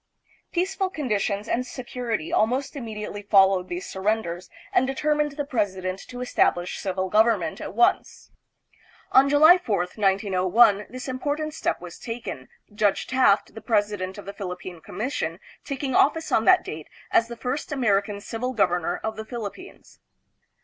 Peaceful conditions and se curity almost immediately followed these surrenders and 310 THE PHILIPPINES. determined the president to establish civil government at once. On July 4, 1901, this important step was taken, Judge Taft, the president of the Philippine Commission, taking office on that date as the first American civil gov ernor of the Philippines.